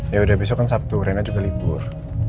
yaudah besok kan sabtu rena juga libur